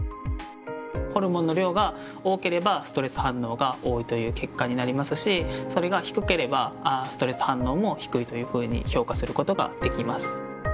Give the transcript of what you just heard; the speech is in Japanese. ホルモンの量が多ければストレス反応が多いという結果になりますしそれが低ければストレス反応も低いというふうに評価する事ができます。